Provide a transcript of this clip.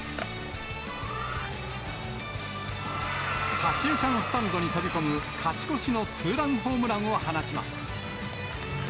左中間スタンドに飛び込む、勝ち越しのツーランホームランを放ちます。